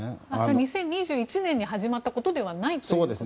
２０２１年に始まったことではないということですか。